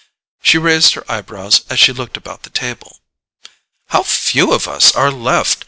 She raised her eyebrows as she looked about the table. "How few of us are left!